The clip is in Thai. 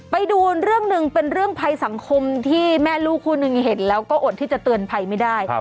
ไปดูเรื่องหนึ่งเป็นเรื่องภัยสังคมที่แม่ลูกคู่หนึ่งเห็นแล้วก็อดที่จะเตือนภัยไม่ได้